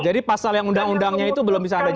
jadi pasal yang undang undangnya itu belum bisa ada jawab